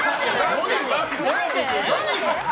何が？